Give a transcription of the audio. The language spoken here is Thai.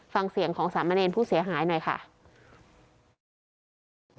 ฟังเสียงของสามเณรผู้เสียหายหน่อยค่ะ